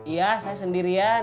iya saya sendirian